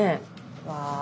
うわ。